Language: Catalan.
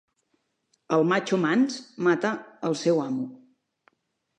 El matxo mans mata el seu amo.